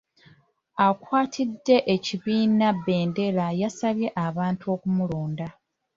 Akwatidde ekibiina bbendera yasabye abantu okumulonda.